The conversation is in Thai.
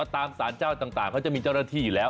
ตามสารเจ้าต่างเขาจะมีเจ้าหน้าที่อยู่แล้ว